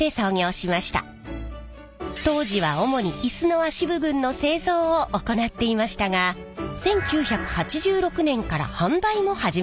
当時は主にイスの脚部分の製造を行っていましたが１９８６年から販売も始めました。